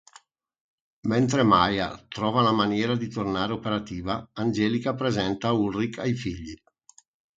Mentre Maja trova la maniera di tornare operativa, Angelika presenta Ulrich ai figli.